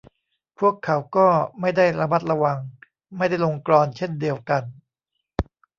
พวกเขาก็ไม่ได้ระมัดระวัง ไม่ได้ลงกลอนเช่นเดียวกัน